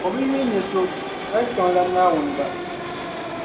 o bi yuli n-nya so, hal kpiɔŋlana Naawuni gba.